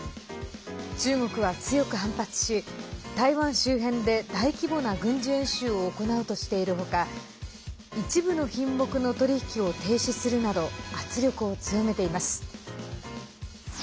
中国は強く反発し台湾周辺で大規模な軍事演習を行うとしている他一部の品目の取引を停止するなど圧力を強めています。